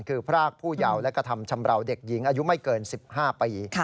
คือพรากผู้เยาว์และกระทำชำราวเด็กหญิงอายุไม่เกิน๑๕ปี